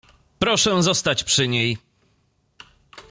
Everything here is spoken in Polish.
"Proszę zostać przy niej!"